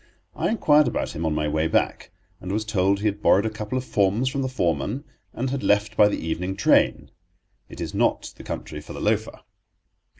I inquired about him on my way back, and was told he had borrowed a couple of forms from the foreman and had left by the evening train. It is not the country for the loafer.